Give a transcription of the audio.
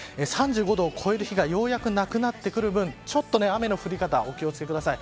３５度を超える日がようやくなくなってくるぶんちょっと雨の降り方お気を付けください。